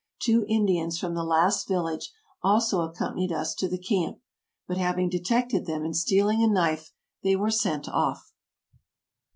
Two Indians from the last village also accompanied us to the camp ; but having detected them in stealing a knife, they were sent off.